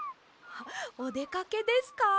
おでかけですか？